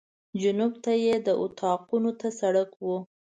جنوب ته یې د اطاقونو ته سړک و.